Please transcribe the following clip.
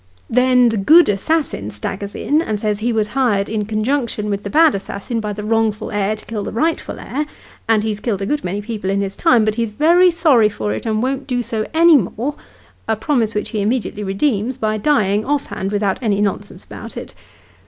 Then the good assassin staggers in, and says he was hired in conjunction with the bad assassin, by the wrongful heir, to kill the rightful heir ; and he's killed a good many people in his time, but he's very sorry for it, and won't do so any more a promise which he immediately redeems, by dying off hand without any nonsense about it.